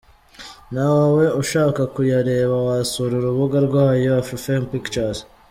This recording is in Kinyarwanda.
Na we ushaka kuyareba wasura urubuga rwayo, AfrifamePictures.